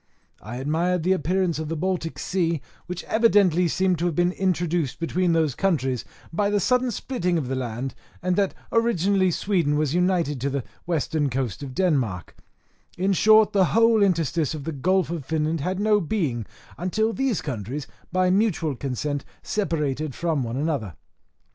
I admired the appearance of the Baltic Sea, which evidently seemed to have been introduced between those countries by the sudden splitting of the land, and that originally Sweden was united to the western coast of Denmark; in short, the whole interstice of the Gulf of Finland had no being, until these countries, by mutual consent, separated from one another.